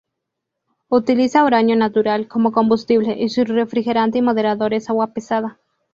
Utiliza uranio natural como combustible y su refrigerante y moderador es agua pesada.